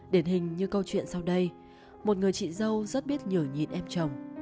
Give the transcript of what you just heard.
điển hình như câu chuyện sau đây một người chị dâu rất biết nhổ nhịn em chồng